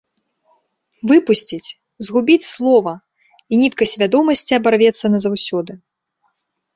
Выпусціць, згубіць слова, і нітка свядомасці абарвецца назаўсёды.